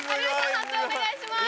判定お願いします。